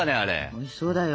おいしそうだよ。